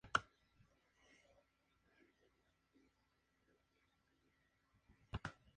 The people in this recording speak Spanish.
Hay minisubmarinos civiles y militares, ambos tipos construidos y en operación.